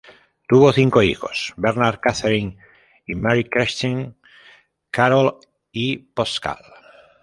Tuvo cinco hijos: Bernard, Catherine, Marie-Christine, Carole y Pascal.